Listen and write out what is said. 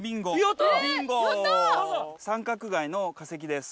三角貝の化石です。